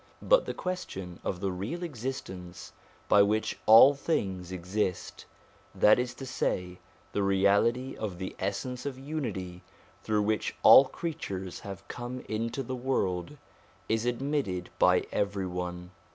But the question of the Real Existence by which all things exist, that is to say, the reality of the Essence of Unity through which all creatures have come into the world, is admitted by every one.